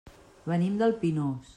Venim del Pinós.